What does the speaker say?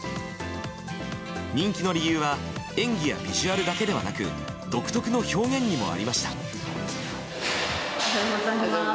人気の理由は演技やビジュアルだけではなく独特の表現にもありました。